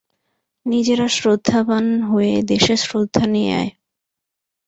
নিজেরা শ্রদ্ধাবান হয়ে দেশে শ্রদ্ধা নিয়ে আয়।